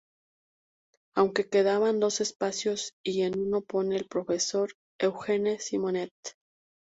Aún quedaban dos espacios, y en uno pone al profesor Eugene Simonet.